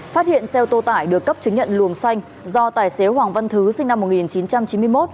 phát hiện xe ô tô tải được cấp chứng nhận luồng xanh do tài xế hoàng văn thứ sinh năm một nghìn chín trăm chín mươi một